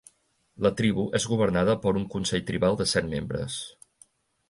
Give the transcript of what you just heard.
La tribu és governada per un consell tribal de set membres.